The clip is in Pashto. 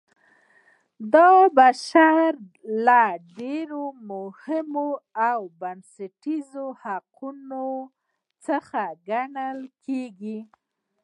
دا د بشر له ډېرو مهمو او بنسټیزو حقونو څخه ګڼل کیږي.